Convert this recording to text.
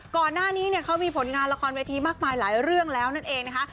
ก่อนหน้านี้เนี่ยเขามีผลงานละครเวทีมากมายหลายเรื่องแล้วนั่นเองนะคะ